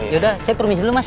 yaudah saya permisi dulu mas